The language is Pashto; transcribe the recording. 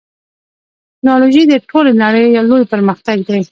ټکنالوژي د ټولې نړۍ لوی پرمختګ دی.